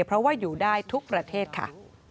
เพราะว่าอยู่ได้ทุกประเทศค่ะ